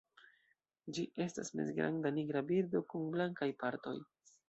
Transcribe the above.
Ĝi estas mezgranda nigra birdo kun blankaj partoj.